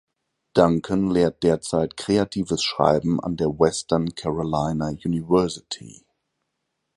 Duncan lehrt derzeit „Kreatives Schreiben“ an der Western Carolina University.